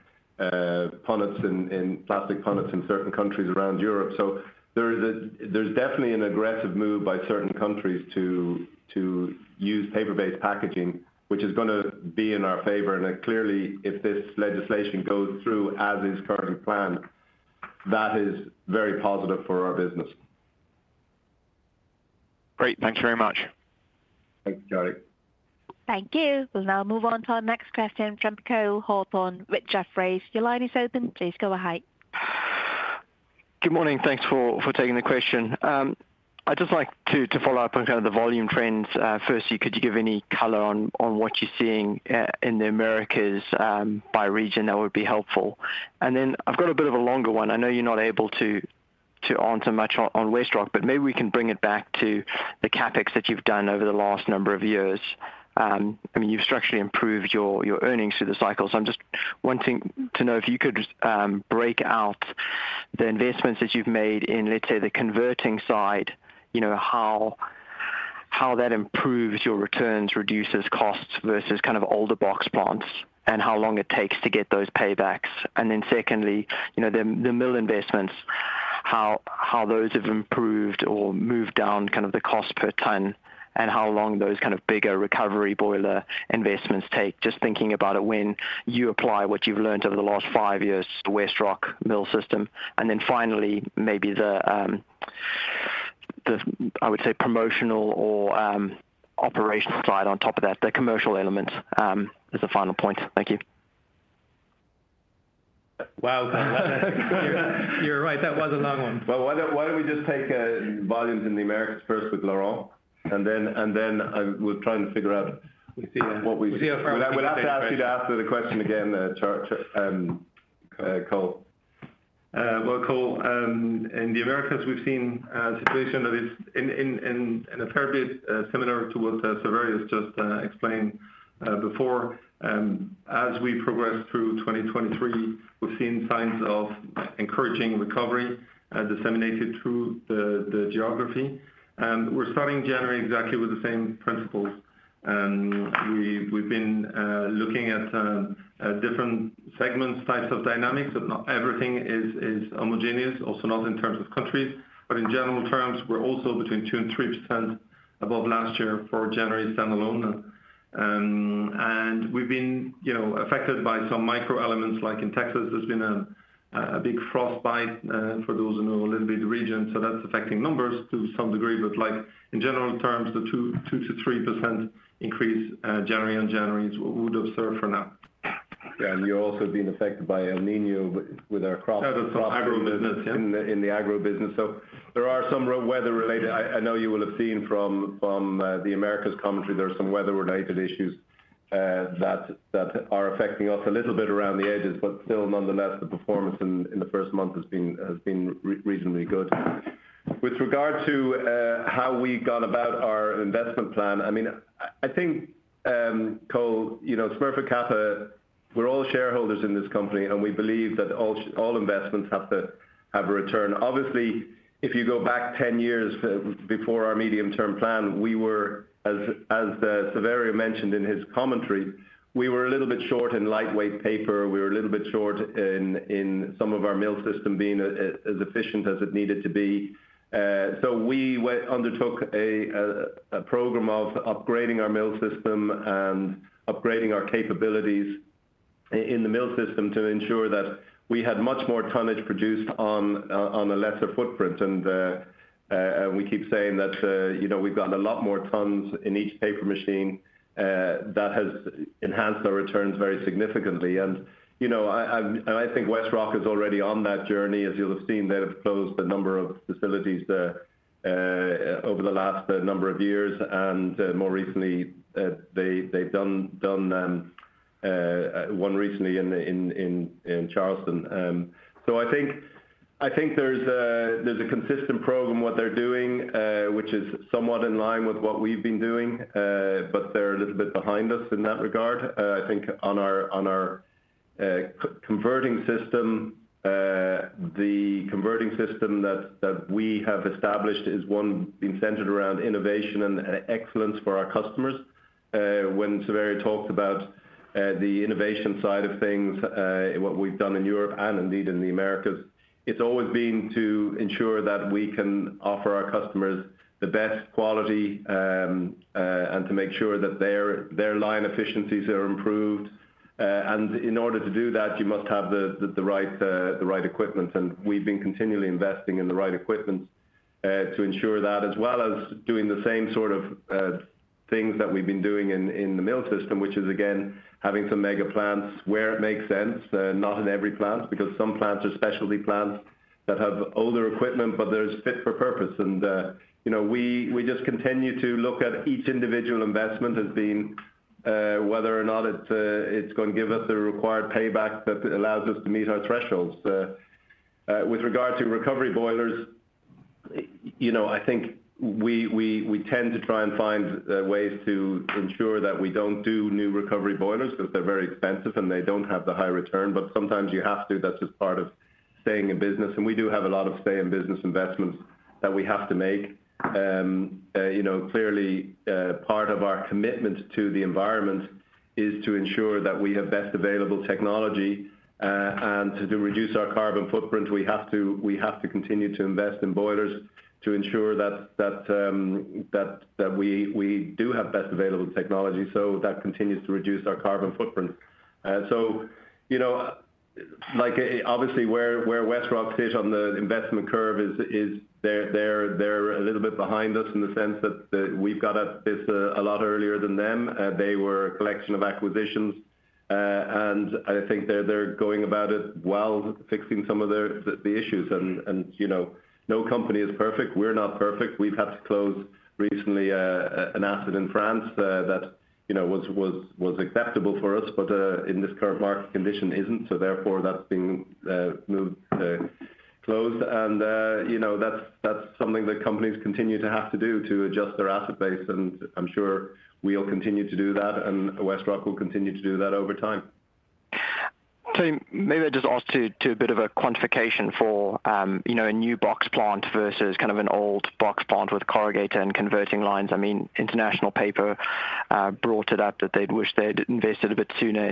plastic punnets in certain countries around Europe. So there's definitely an aggressive move by certain countries to use paper-based packaging, which is gonna be in our favor. And then clearly, if this legislation goes through as is currently planned, that is very positive for our business. Great. Thanks very much. Thank you, Charlie. Thank you. We'll now move on to our next question from Cole Hathorn with Jefferies. Your line is open. Please go ahead. Good morning. Thanks for, for taking the question. I'd just like to, to follow up on kind of the volume trends. Firstly, could you give any color on, on what you're seeing, in the Americas, by region? That would be helpful. And then I've got a bit of a longer one. I know you're not able to, to answer much on, on WestRock, but maybe we can bring it back to the CapEx that you've done over the last number of years. I mean, you've structurally improved your, your earnings through the cycle. So I'm just wanting to know if you could, break out the investments that you've made in, let's say, the converting side, you know, how, how that improves your returns, reduces costs versus kind of older box plants, and how long it takes to get those paybacks? And then secondly, you know, the mill investments, how those have improved or moved down kind of the cost per ton, and how long those kind of bigger recovery boiler investments take? Just thinking about it, when you apply what you've learned over the last five years to WestRock mill system. And then finally, maybe the, I would say, promotional or, operational slide on top of that, the commercial elements, as a final point. Thank you. Wow! You're right, that was a long one. Well, why don't we just take volumes in the Americas first with Laurent, and then we'll try and figure out what we- We'll see how far- We'd have to ask you to answer the question again, Cole. Well, Cole, in the Americas, we've seen a situation that is in a fair bit similar to what Saverio has just explained before. As we progress through 2023, we've seen signs of encouraging recovery disseminated through the geography. We're starting January exactly with the same principles. ... We've been looking at different segments, types of dynamics, but not everything is homogeneous, also not in terms of countries. But in general terms, we're also between 2% and 3% above last year for January, standalone. And we've been, you know, affected by some micro elements, like in Texas, there's been a big frost bite, for those who know a little bit of the region, so that's affecting numbers to some degree. But like, in general terms, the 2%-3% increase, January on January, is what we would observe for now. Yeah, and you're also being affected by El Niño with our crops- Yeah, the agro business. In the agro business. So there are some weather-related issues that are affecting us a little bit around the edges, but still, nonetheless, the performance in the first month has been reasonably good. With regard to how we go about our investment plan, I mean, I think, Cole, you know, Smurfit Kappa, we're all shareholders in this company, and we believe that all investments have to have a return. Obviously, if you go back 10 years before our medium-term plan, we were, as Saverio mentioned in his commentary, a little bit short in lightweight paper. We were a little bit short in some of our mill system being as efficient as it needed to be. So we undertook a program of upgrading our mill system and upgrading our capabilities in the mill system to ensure that we had much more tonnage produced on a lesser footprint. And we keep saying that, you know, we've got a lot more tons in each paper machine that has enhanced our returns very significantly. And, you know, I think WestRock is already on that journey. As you'll have seen, they have closed a number of facilities over the last number of years, and more recently, they've done one recently in Charleston. So I think there's a consistent program what they're doing, which is somewhat in line with what we've been doing, but they're a little bit behind us in that regard. I think on our converting system, the converting system that we have established is one being centered around innovation and excellence for our customers. When Saverio talked about the innovation side of things, what we've done in Europe and indeed in the Americas, it's always been to ensure that we can offer our customers the best quality and to make sure that their line efficiencies are improved. And in order to do that, you must have the right equipment, and we've been continually investing in the right equipment to ensure that, as well as doing the same sort of things that we've been doing in the mill system, which is again, having some mega plants where it makes sense, not in every plant, because some plants are specialty plants that have older equipment, but they're fit for purpose. You know, we just continue to look at each individual investment as being whether or not it's going to give us the required payback that allows us to meet our thresholds. With regard to recovery boilers, you know, I think we tend to try and find ways to ensure that we don't do new recovery boilers, because they're very expensive, and they don't have the high return, but sometimes you have to. That's just part of staying in business, and we do have a lot of stay-in-business investments that we have to make. You know, clearly, part of our commitment to the environment is to ensure that we have best available technology, and to reduce our carbon footprint, we have to continue to invest in boilers to ensure that we do have best available technology, so that continues to reduce our carbon footprint. So you know, like, obviously, where WestRock sit on the investment curve is they're a little bit behind us in the sense that we've got at this a lot earlier than them. They were a collection of acquisitions, and I think they're going about it while fixing some of the issues. You know, no company is perfect. We're not perfect. We've had to close recently an asset in France that, you know, was acceptable for us, but in this current market condition, isn't. So therefore, that's being closed. And you know, that's something that companies continue to have to do to adjust their asset base, and I'm sure we'll continue to do that, and WestRock will continue to do that over time. Tony, maybe I just ask for a bit of a quantification for, you know, a new box plant versus kind of an old box plant with corrugator and converting lines. I mean, International Paper brought it up that they'd wish they'd invested a bit sooner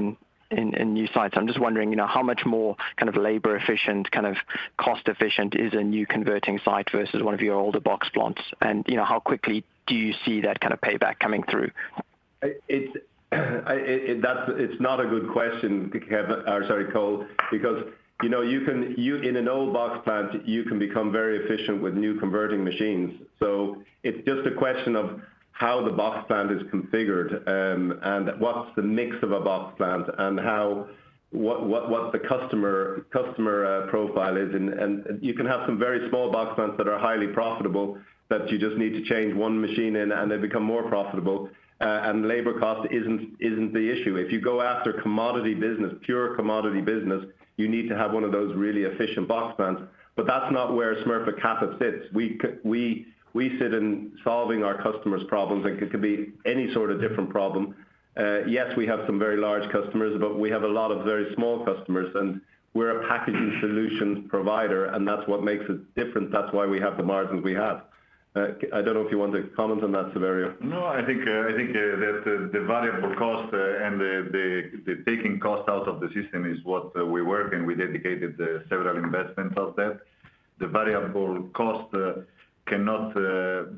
in new sites. I'm just wondering, you know, how much more kind of labor efficient, kind of cost efficient is a new converting site versus one of your older box plants? And, you know, how quickly do you see that kind of payback coming through? It's not a good question, Kev, or sorry, Cole, because, you know, you can in an old box plant become very efficient with new converting machines. So it's just a question of how the box plant is configured, and what's the mix of a box plant and how what the customer profile is. And you can have some very small box plants that are highly profitable, that you just need to change one machine in, and they become more profitable, and labor cost isn't the issue. If you go after commodity business, pure commodity business, you need to have one of those really efficient box plants, but that's not where Smurfit Kappa sits. We sit in solving our customers' problems, and it could be any sort of different problem. Yes, we have some very large customers, but we have a lot of very small customers, and we're a packaging solutions provider, and that's what makes us different. That's why we have the margins we have. I don't know if you want to comment on that, Saverio? No, I think that the variable cost and the taking cost out of the system is what we work, and we dedicated several investments of that. The variable cost cannot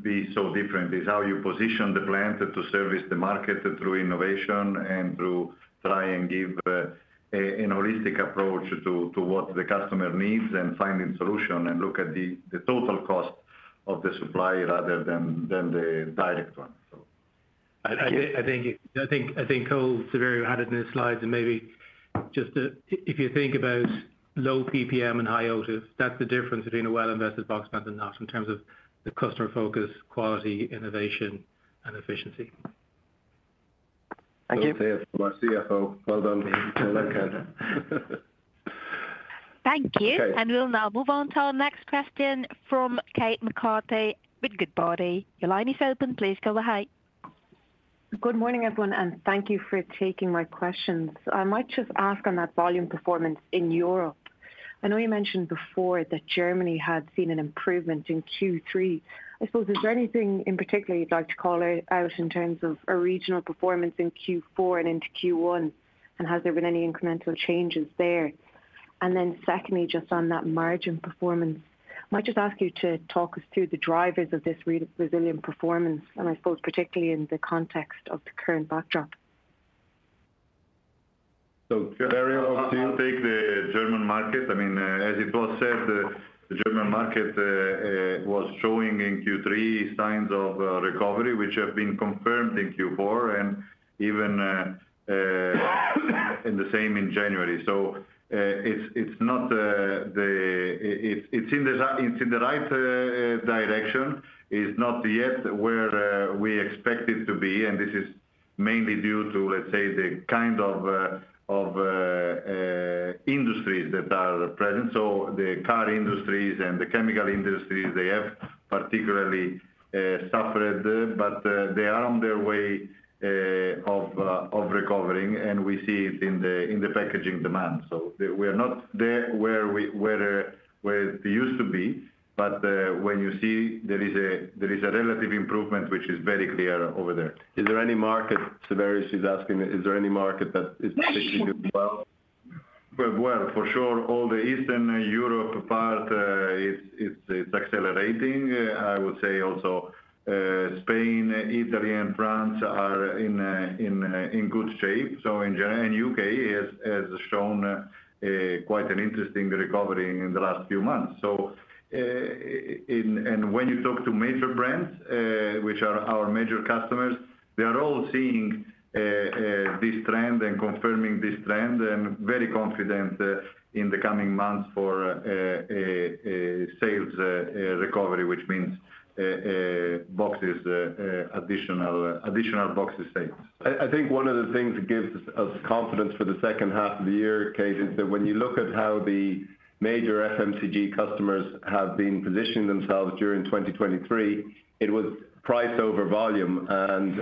be so different. It's how you position the plant to service the market through innovation and through try and give a holistic approach to what the customer needs and finding solution and look at the total cost of the supplier rather than the direct one. So. I think, Cole, Saverio added in his slides, and maybe just, if you think about low PPM and high OTIF, that's the difference between a well-invested box plant and not, in terms of the customer focus, quality, innovation, and efficiency. Thank you. Well said, my CFO. Well done. I like it. Thank you. Okay. We'll now move on to our next question from Kate McCarthy with Goodbody. Your line is open. Please go ahead. Good morning, everyone, and thank you for taking my questions. I might just ask on that volume performance in Europe. I know you mentioned before that Germany had seen an improvement in Q3. I suppose, is there anything in particular you'd like to call out in terms of a regional performance in Q4 and into Q1, and has there been any incremental changes there? And then secondly, just on that margin performance, I might just ask you to talk us through the drivers of this resilient performance, and I suppose particularly in the context of the current backdrop. So Saverio, do you take the German market? I mean, as it was said, the German market was showing in Q3 signs of recovery, which have been confirmed in Q4 and even in the same in January. So, it's not... It's in the right direction. It's not yet where we expect it to be, and this is mainly due to, let's say, the kind of industries that are present. So the car industries and the chemical industries, they have particularly suffered, but they are on their way of recovering, and we see it in the packaging demand. So we are not there where we used to be, but when you see there is a relative improvement, which is very clear over there. Is there any market, Saverio, she's asking, is there any market that is particularly well? Well, for sure, all the Eastern Europe part, it's accelerating. I would say also, Spain, Italy and France are in good shape. So in general, and UK has shown quite an interesting recovery in the last few months. So, and when you talk to major brands, which are our major customers, they are all seeing this trend and confirming this trend, and very confident in the coming months for a sales recovery, which means boxes additional additional boxes sales. I think one of the things that gives us confidence for the second half of the year, Kate, is that when you look at how the major FMCG customers have been positioning themselves during 2023, it was price over volume and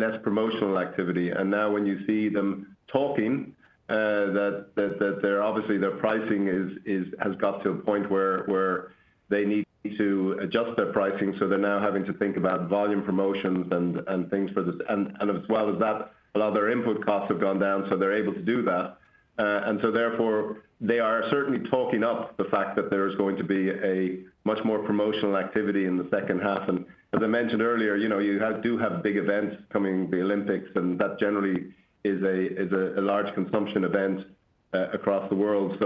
less promotional activity. And now when you see them talking, that their obviously their pricing is, has got to a point where they need to adjust their pricing, so they're now having to think about volume promotions and things for this. And as well as that, a lot of their input costs have gone down, so they're able to do that. And so therefore, they are certainly talking up the fact that there is going to be a much more promotional activity in the second half. As I mentioned earlier, you know, you do have big events coming, the Olympics, and that generally is a large consumption event across the world.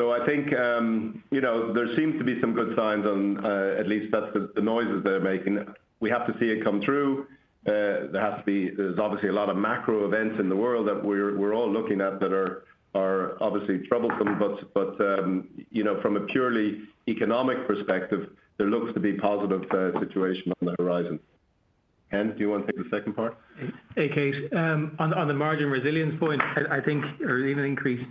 So I think, you know, there seems to be some good signs on, at least that's the noises they're making. We have to see it come through. There has to be. There's obviously a lot of macro events in the world that we're all looking at that are obviously troublesome. But, you know, from a purely economic perspective, there looks to be positive situation on the horizon. Ken, do you want to take the second part? Hey, Kate, on the margin resilience point, I think or even increase,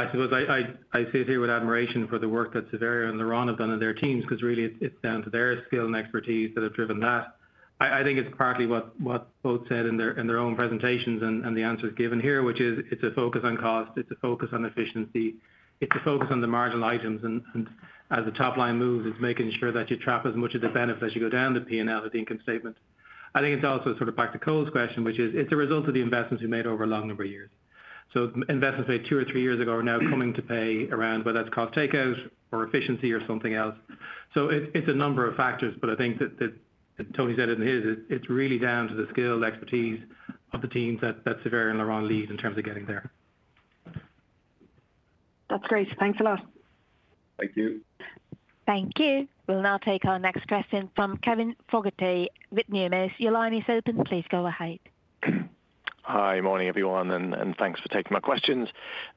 I suppose I sit here with admiration for the work that Saverio and Laurent have done on their teams, because really, it's down to their skill and expertise that have driven that. I think it's partly what both said in their own presentations and the answers given here, which is it's a focus on cost, it's a focus on efficiency, it's a focus on the marginal items. And as the top line moves, it's making sure that you trap as much of the benefit as you go down the P&L, the income statement. I think it's also sort of back to Cole's question, which is it's a result of the investments we made over a long number of years. So investments made two or three years ago are now coming to pay off, whether that's cost takeout or efficiency or something else. So it's a number of factors, but I think that Tony said in his, it's really down to the skill and expertise of the teams that Saverio and Laurent lead in terms of getting there. That's great. Thanks a lot. Thank you. Thank you. We'll now take our next question from Kevin Fogarty with Numis. Your line is open. Please go ahead. Hi, morning, everyone, and thanks for taking my questions.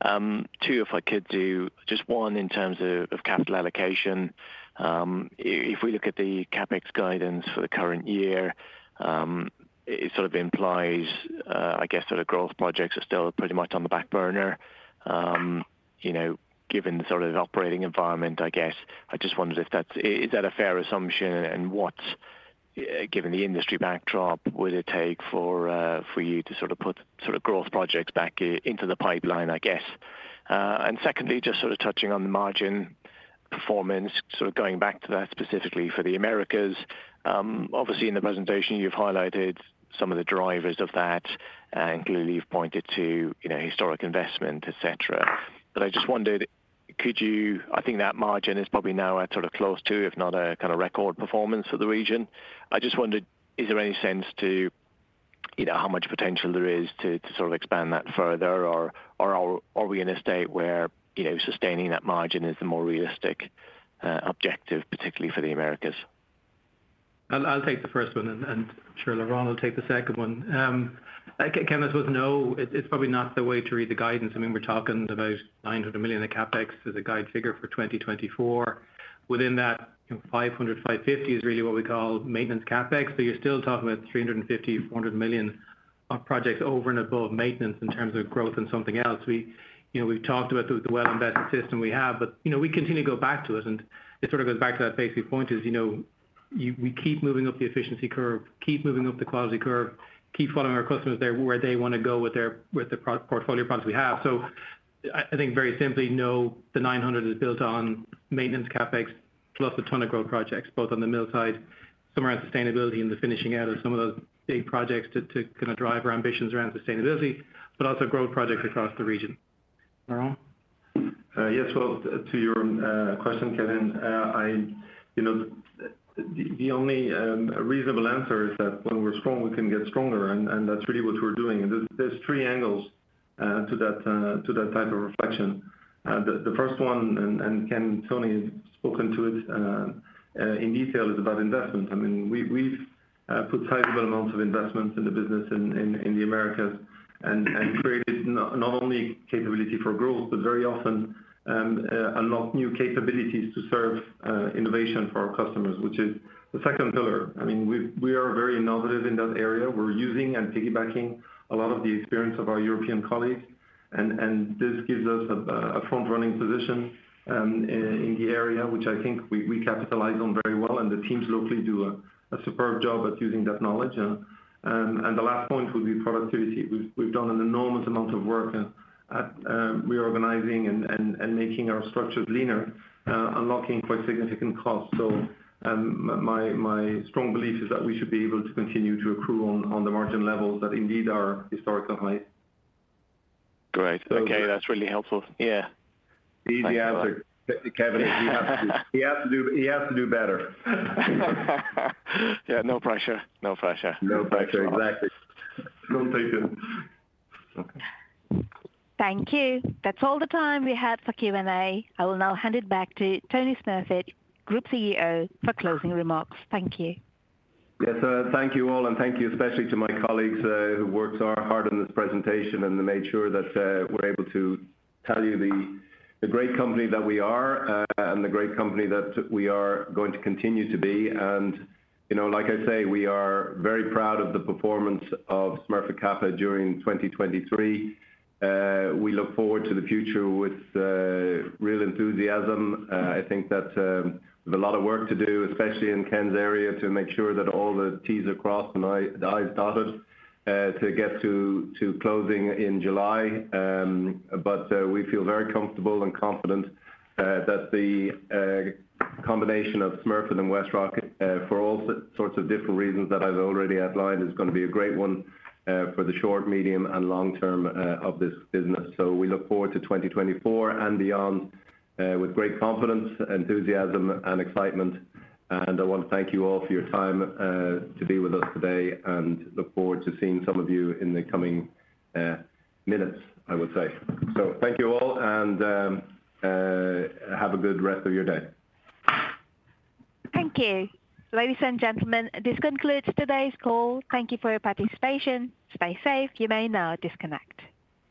Two, if I could do just one in terms of capital allocation. If we look at the CapEx guidance for the current year, it sort of implies, I guess, sort of growth projects are still pretty much on the back burner, you know, given the sort of operating environment, I guess. I just wondered if that's... Is that a fair assumption, and what's... given the industry backdrop, would it take for you to sort of put sort of growth projects back into the pipeline, I guess? And secondly, just sort of touching on the margin performance, sort of going back to that specifically for the Americas. Obviously, in the presentation, you've highlighted some of the drivers of that, and clearly you've pointed to, you know, historic investment, et cetera. I just wondered, could you? I think that margin is probably now at sort of close to, if not a kind of record performance for the region. I just wondered, is there any sense to, you know, how much potential there is to, to sort of expand that further, or, or are, are we in a state where, you know, sustaining that margin is the more realistic objective, particularly for the Americas? I'll take the first one, and sure, Laurent will take the second one. Kevin, with no... It's probably not the way to read the guidance. I mean, we're talking about 900 million in CapEx as a guide figure for 2024. Within that, 500-550 is really what we call maintenance CapEx, but you're still talking about 350-400 million of projects over and above maintenance in terms of growth and something else. We, you know, we've talked about the well-invested system we have, but, you know, we continue to go back to it, and it sort of goes back to that basic point. You know, you—we keep moving up the efficiency curve, keep moving up the quality curve, keep following our customers there, where they want to go with their, with the pro-portfolio products we have. So I think very simply, no, the 900 is built on maintenance CapEx, plus a ton of growth projects, both on the mill side, some around sustainability and the finishing out of some of those big projects to kind of drive our ambitions around sustainability, but also growth projects across the region. Laurent? Yes, well, to your question, Kevin, you know, the only reasonable answer is that when we're strong, we can get stronger, and that's really what we're doing. There's three angles to that type of reflection. The first one, and Kevin, Tony has spoken to it in detail, is about investment. I mean, we've put sizable amounts of investments in the business in the Americas and created not only capability for growth, but very often unlock new capabilities to serve innovation for our customers, which is the second pillar. I mean, we are very innovative in that area. We're using and piggybacking a lot of the experience of our European colleagues, and this gives us a front-running position in the area, which I think we capitalize on very well, and the teams locally do a superb job at using that knowledge. And the last point would be productivity. We've done an enormous amount of work at reorganizing and making our structures leaner, unlocking quite significant costs. So, my strong belief is that we should be able to continue to accrue on the margin levels that indeed are historically high. Great. Okay. That's really helpful. Yeah. Easy answer. Kevin, he has to do better. Yeah, no pressure. No pressure. No pressure, exactly. No pressure. Okay. Thank you. That's all the time we had for Q&A. I will now hand it back to Tony Smurfit, Group CEO, for closing remarks. Thank you. Yes, thank you, all, and thank you especially to my colleagues, who worked so hard on this presentation and made sure that, we're able to tell you the, the great company that we are, and the great company that we are going to continue to be. And you know, like I say, we are very proud of the performance of Smurfit Kappa during 2023. We look forward to the future with real enthusiasm. I think that, there's a lot of work to do, especially in Ken's area, to make sure that all the T's are crossed and the I's dotted, to get to closing in July. But we feel very comfortable and confident that the combination of Smurfit and WestRock for all sorts of different reasons that I've already outlined is gonna be a great one for the short, medium, and long term of this business. So we look forward to 2024 and beyond with great confidence, enthusiasm, and excitement. And I want to thank you all for your time to be with us today and look forward to seeing some of you in the coming minutes, I would say. So thank you all, and have a good rest of your day. Thank you. Ladies and gentlemen, this concludes today's call. Thank you for your participation. Stay safe. You may now disconnect.